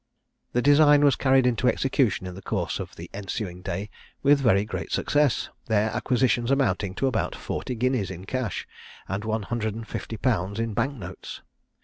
The design was carried into execution in the course of the ensuing day with very great success, their acquisitions amounting to about forty guineas in cash, and one hundred and fifty pounds in Bank notes.